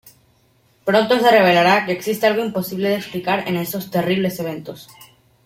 Pronto se revelará que existe algo imposible de explicar en estos terribles eventos.